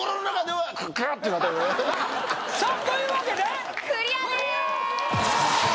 はっさあというわけでクリア！